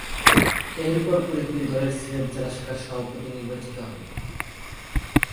এর পরপরই তিনি দলের সিলেট জেলা শাখার সভাপতি নির্বাচিত হন।